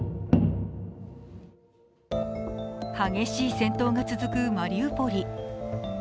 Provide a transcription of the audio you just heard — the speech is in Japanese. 激しい戦闘が続くマリウポリ。